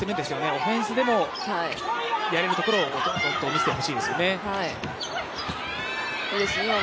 オフェンスでもやれるところを見せてほしいですよね。